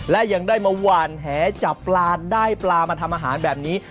และยังได้มาหวานแหจับปลาได้ปลามาทำอาหารแบบนี้